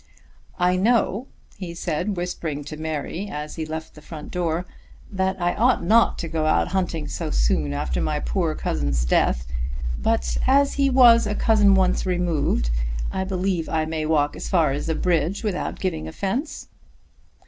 "I know," he said, whispering to Mary as he left the front door, "that I ought not to go out hunting so soon after my poor cousin's death; but as he was a cousin once removed, I believe I may walk as far as the bridge without giving offence."